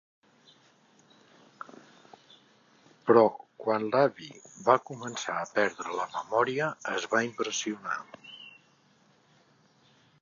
Però quan l'avi va començar a perdre la memòria es va impressionar.